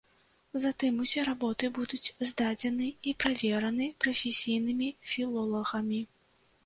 Затым усе работы будуць здадзены і правераны прафесійнымі філолагамі.